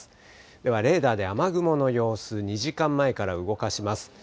ではレーダーで雨雲の様子、２時間前から動かします。